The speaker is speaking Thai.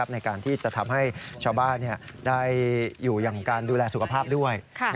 ในการที่จะทำให้ชาวบ้านได้อยู่อย่างการดูแลสุขภาพด้วย